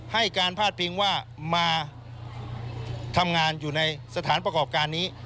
ให้การพาดพิงว่ามาทำงานอยู่ในสถานประกอบการนี้